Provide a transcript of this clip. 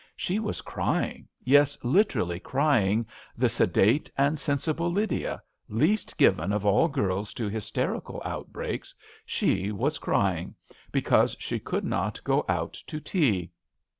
She was crying — yes, literally crying — the sedate and sensible Lydia, least given of all girls to hysterical outbreaks — she was crying because she could not go out to* tea.